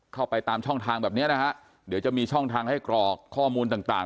เข้าไปตามช่องทางแบบเนี้ยนะฮะเดี๋ยวจะมีช่องทางให้กรอกข้อมูลต่างต่าง